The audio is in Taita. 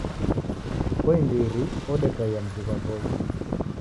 Koimbiri odekaia mzi ghwa Voi